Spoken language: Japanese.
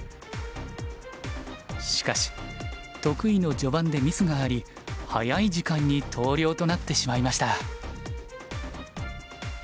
しかし得意の序盤でミスがあり早い時間に投了となってしまいました。